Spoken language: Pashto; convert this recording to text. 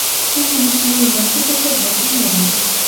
د انګلیسیانو مرستې ته ضرورت نه لري.